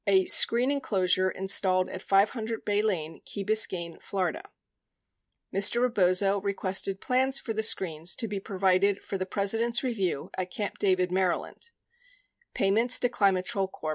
a "screen enclosure installed at 500 Bay Lane, Key Biscayne, Fla." 87 Mr. Rebozo requested plans for the screens to be provided for the President's review at Camp David., Md. 88 Payments to Climatrol Corp.